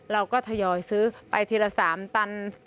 เราก็ทยอยซื้อไปทีละ๓ตัน